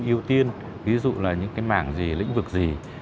ưu tiên ví dụ là những cái mảng gì lĩnh vực gì